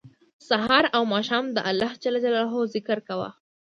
سهار او ماښام د الله ج ذکر کوه